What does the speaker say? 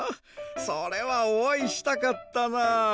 それはおあいしたかったな。